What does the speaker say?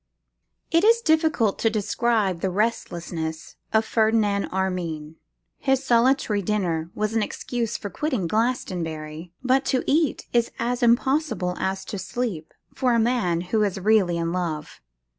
_ IT IS difficult to describe the restlessness of Ferdinand Armine. His solitary dinner was an excuse for quitting Glastonbury: but to eat is as impossible as to sleep, for a man who is really in love.